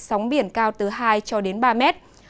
sóng biển cao từ hai ba mét